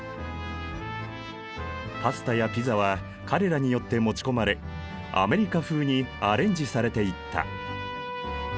パスタやピザは彼らによって持ち込まれアメリカ風にアレンジされていった。